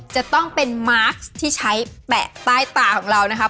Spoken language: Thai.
จะต้องเป็นมาร์คที่ใช้แปะใต้ตาของเรานะครับ